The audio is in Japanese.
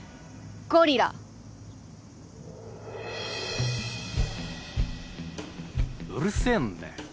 ゴリラ！うるせえんだよ。